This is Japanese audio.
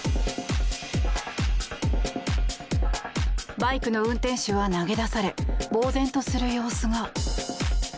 バイクの運転手は投げ出されぼうぜんとする様子が。